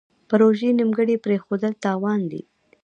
پروژې نیمګړې پریښودل تاوان دی.